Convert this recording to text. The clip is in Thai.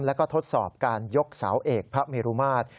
แล้วก็ทดสอบการยกเสาเอกพระเมรุมาตร